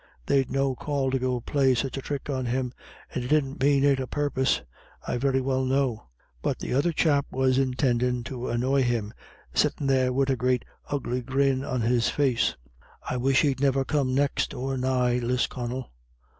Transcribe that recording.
They'd no call to go play such a thrick on him, and he didn't mane it a' purpose, I very well know; but the other chap was intindin' to annoy him, sittin' there wid a great ugly grin on his face. I wish he'd never come next or nigh Lisconnel."